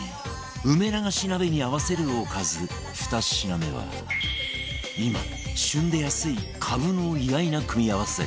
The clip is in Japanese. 梅流し鍋に合わせるおかず２品目は今旬で安いカブの意外な組み合わせ